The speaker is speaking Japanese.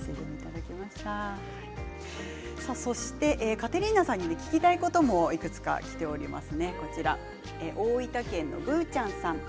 カテリーナさんに聞きたいこともいくつかきています。